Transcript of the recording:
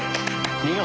見事！